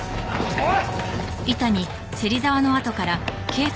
おい！